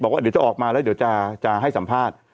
บอกว่าจะออกมาแล้วจะให้สัมภาษณ์